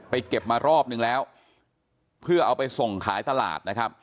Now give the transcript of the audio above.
เก็บมารอบนึงแล้วเพื่อเอาไปส่งขายตลาดนะครับ